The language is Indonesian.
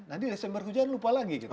nanti desember hujan lupa lagi gitu